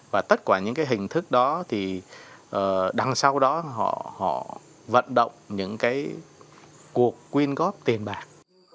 và tất cả những cái hình thức đó thì đằng sau đó họ vận động những cái cuộc quyên góp tiền bạc